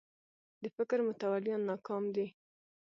د فکر متولیان ناکام دي